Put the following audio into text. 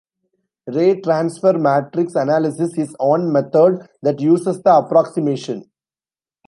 Ray transfer matrix analysis is one method that uses the approximation.